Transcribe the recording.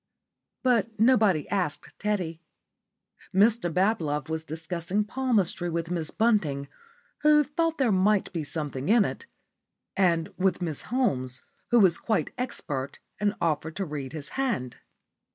But nobody asked Teddy. Mr Bablove was discussing palmistry with Miss Bunting, who thought there might be something in it, and with Miss Holmes, who was quite expert and offered to read his hand.